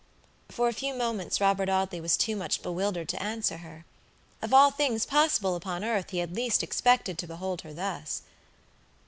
For a few moments Robert Audley was too much bewildered to answer her. Of all things possible upon earth he had least expected to behold her thus.